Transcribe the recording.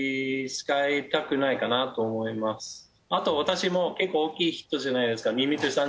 あと私も結構大きい人じゃないですか。